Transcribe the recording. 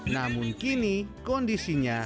namun kini kondisinya